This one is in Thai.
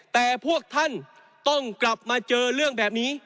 แต่พวกท่านต้องกลับมาเจอเรื่องแบบนี้